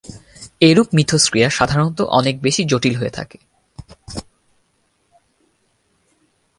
এরূপ মিথস্ক্রিয়া সাধারণত অনেক বেশি জটিল হয়ে থাকে।